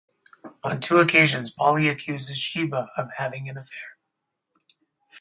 On two occasions, Polly accuses Sheba of having an affair.